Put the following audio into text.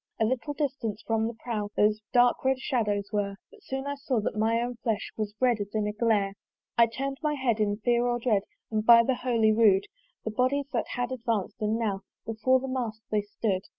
A little distance from the prow Those dark red shadows were; But soon I saw that my own flesh Was red as in a glare. I turn'd my head in fear and dread, And by the holy rood, The bodies had advanc'd, and now Before the mast they stood.